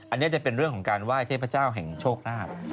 อันนี้จะเป็นเรื่องของการไหว้เทพเจ้าแห่งโชคลาภ